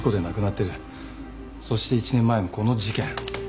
そして１年前のこの事件。